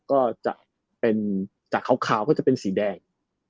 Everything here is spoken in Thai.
ก็จะเป็นจากขาวก็จะเป็นสีแดง